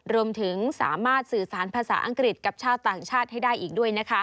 รวมถึงสามารถสื่อสารภาษาอังกฤษกับชาวต่างชาติให้ได้อีกด้วยนะคะ